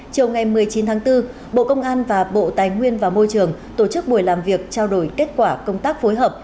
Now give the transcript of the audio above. chiều ngày một mươi chín tháng bốn bộ công an và bộ tài nguyên và môi trường tổ chức buổi làm việc trao đổi kết quả công tác phối hợp